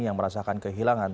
yang merasakan kehilangan